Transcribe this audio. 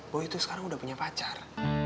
bahwa itu sekarang udah punya pacar